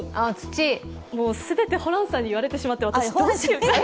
全てホランさんに言われてしまって、私、どうしようって。